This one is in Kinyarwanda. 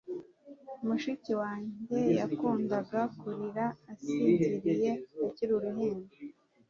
Mushiki wanjye yakundaga kurira asinziriye akiri uruhinja